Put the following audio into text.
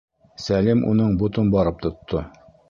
Сәлим уның ботон барып тотто.